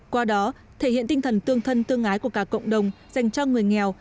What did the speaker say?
qua đó thể hiện tinh thần tương thân tương ái của cả cộng đồng dành cho người nghèo